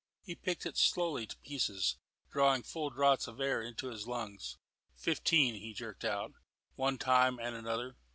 He picked it slowly to pieces, drawing full draughts of air into his lungs. "Fifteen," he jerked out, "one time and another.